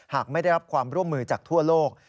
หากไม่ได้รับความร่วมมือจากทั่วโลก